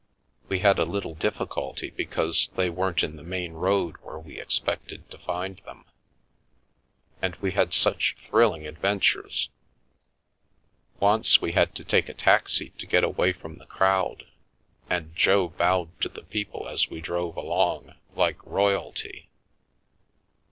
We had a little difficulty, because they weren't in the main road where we expected to find them. And we had such thrilling adventures. Once we had to take a taxi to get away from the crowd, and Jo bowed to the people as we drove along, like royalty."